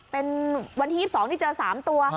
เป็นวันที่๒๒ที่เจอ๓ตัว